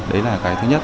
đấy là thứ nhất